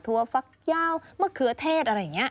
ทั่วฟักเยาว์มะเครือเทศอะไรอย่างนี้